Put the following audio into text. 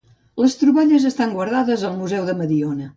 Les troballes estan guardades al museu de Mediona.